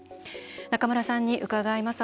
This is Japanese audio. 中村さんに伺います。